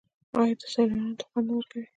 آیا دا سیلانیانو ته خوند نه ورکوي؟